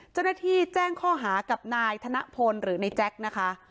เจ้าหน้าที่แจ้งข้อหากับนายธนพลหรือในแจ๊กนะคะ